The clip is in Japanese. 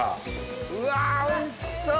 うわおいしそう！